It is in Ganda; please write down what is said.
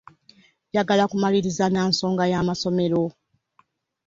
Njagala kumaliriza na nsonga ya masomero.